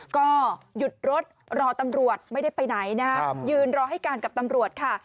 ก็หยุดรถรอตำรวจไม่ได้ไปไหนนะยืนรอให้การกับตำรวจค่ะ